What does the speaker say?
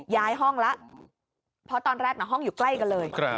ย้ายห้องแล้วเพราะตอนแรกห้องอยู่ใกล้กันเลย